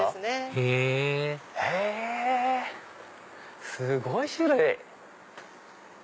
へぇすごい種類！